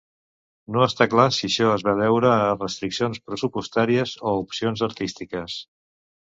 No està clar si això es va deure a restriccions pressupostàries o opcions artístiques.